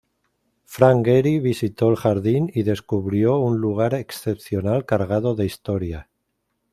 Frank Gehry visitó el jardín y descubrió un lugar excepcional cargado de historia.